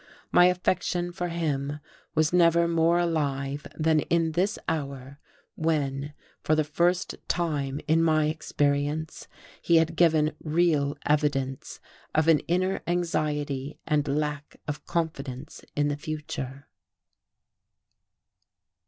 My affection for him was never more alive than in this hour when, for the first time in my experience, he had given real evidence of an inner anxiety and lack of confidence in the future.